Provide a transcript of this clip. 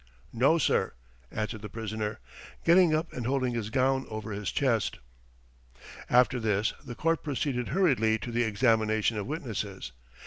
"No, sir," answered the prisoner, getting up and holding his gown over his chest. After this the court proceeded hurriedly to the examination of witnesses.